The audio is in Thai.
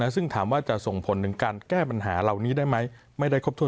ซึ่งถามว่าจะส่งผลในการแก้ปัญหาเหล่านี้ได้ไหม